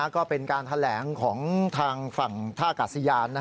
ก็เป็นการแถลงของทางฝั่งท่ากาศยาน